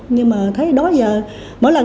nhưng mà thấy đó giờ